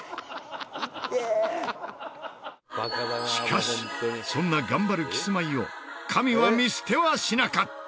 しかしそんな頑張るキスマイを神は見捨てはしなかった。